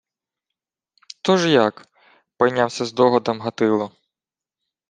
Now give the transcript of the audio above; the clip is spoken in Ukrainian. — Тож як? — пойнявся здогадом Гатило.